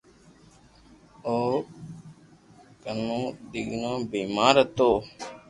او ڪافو دينو مون بيمار ھتو